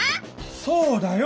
そうだよ！